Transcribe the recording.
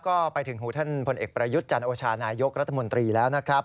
ก็ไปถึงหูท่านพลเอกประยุทธ์จันโอชานายกรัฐมนตรีแล้วนะครับ